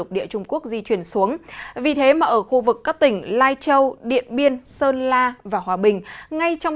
xin chào các bạn